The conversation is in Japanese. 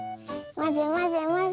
まぜまぜまぜ。